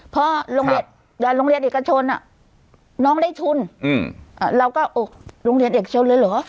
เพราะโรงเรียนโรงเรียนเอกชนน้องได้ทุนเราก็โรงเรียนเอกชนเลยเหรอ